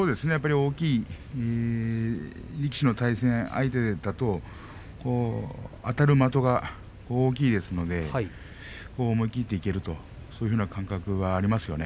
大きい力士の対戦相手だとあたる的が大きいですので思い切っていけるという感覚はありますね。